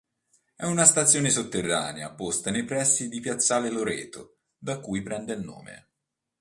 È una stazione sotterranea, posta nei pressi di piazzale Loreto, da cui prende nome.